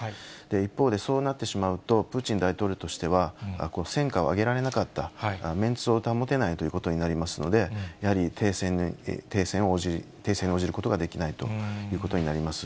一方で、そうなってしまうと、プーチン大統領としては、戦果を上げられなかった、メンツを保てないということになりますので、やはり停戦に応じることができないということになります。